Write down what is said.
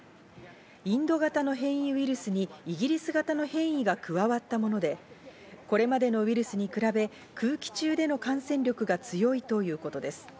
インド型の変異ウイルスにイギリス型の変異が加わったもので、これまでのウイルスに比べ、空気中での感染力が強いということです。